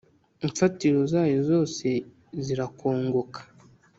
imfatiro zayo zose zirakongoka.